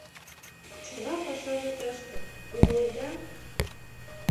— Чыла пашаже тыште, умыледа?